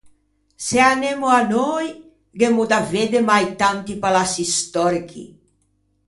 Se anemmo à Nöi gh'emmo da vedde mai tanti palaçi stòrichi!